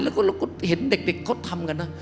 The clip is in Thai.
แล้วก็เราก็เห็นเด็กเขาทำกันนะ